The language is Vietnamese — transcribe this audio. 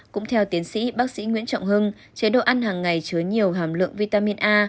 cũng theo tiến sĩ bác sĩ nguyễn trọng hưng chế độ ăn hàng ngày chứa nhiều hàm lượng vitamin a